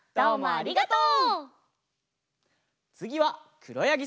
ありがとう。